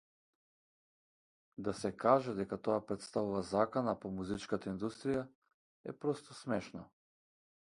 Да се каже дека тоа претставува закана по музичката индустрија е просто смешно.